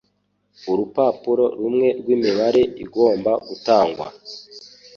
Urupapuro rumwe rwimibare igomba gutangwa;